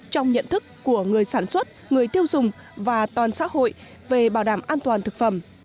trong nhận thức của người sản xuất người tiêu dùng và toàn xã hội về bảo đảm an toàn thực phẩm